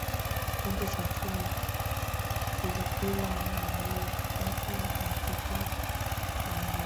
kipande cha chuma kilipimwa kwa ajiri ya kupata uhakika wa ajari